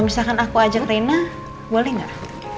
misalkan aku ajak reina boleh gak